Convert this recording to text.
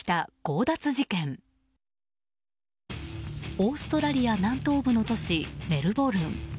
オーストラリア南東部の都市メルボルン。